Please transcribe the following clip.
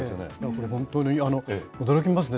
本当に驚きますね。